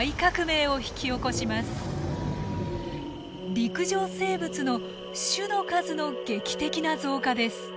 陸上生物の種の数の劇的な増加です。